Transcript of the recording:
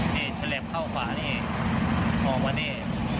นี่แชลปเข้าขวานี่มองมานี่